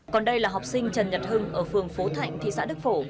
còn đây là học sinh trần nhật hưng ở phường phổ thạnh thị xã đức phổ